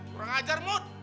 kurang ajar mood